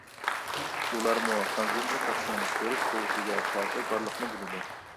ئۇلارمۇ خەنزۇچە خەتنىڭ كۆرۈش قۇۋۋىتىگە تەسىرى بارلىقىنى بىلىدۇ.